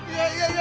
tidak tidak tidak